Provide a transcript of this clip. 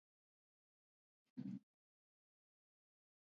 بامیان د افغانستان د طبعي سیسټم توازن ساتي.